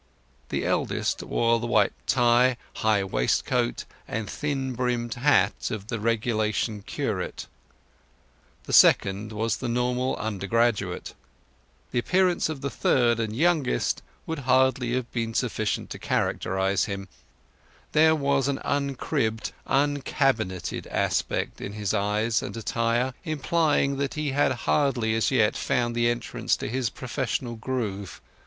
The eldest wore the white tie, high waistcoat, and thin brimmed hat of the regulation curate; the second was the normal undergraduate; the appearance of the third and youngest would hardly have been sufficient to characterize him; there was an uncribbed, uncabined aspect in his eyes and attire, implying that he had hardly as yet found the entrance to his professional groove.